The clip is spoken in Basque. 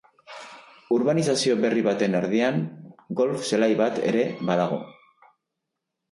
Urbanizazio berri baten erdian golf zelai bat ere badago.